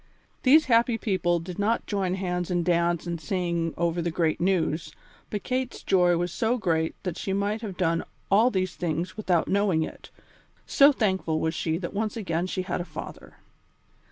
These happy people did not join hands and dance and sing over the great news, but Kate's joy was so great that she might have done all these things without knowing it, so thankful was she that once again she had a father.